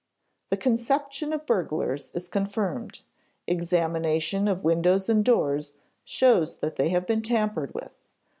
The conception of burglars is confirmed; examination of windows and doors shows that they have been tampered with.